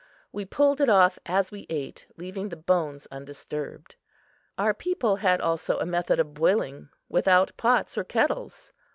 We pulled it off as we ate, leaving the bones undisturbed. Our people had also a method of boiling without pots or kettles.